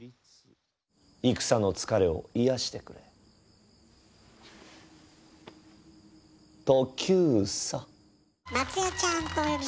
戦の疲れを癒やしてくれトキューサ。